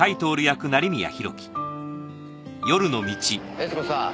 悦子さぁ。